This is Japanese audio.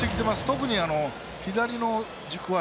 特に左の軸足。